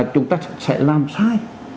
chúng ta sẽ làm sai